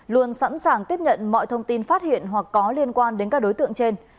luôn sẵn sàng tiếp nhận mọi thông tin phát hiện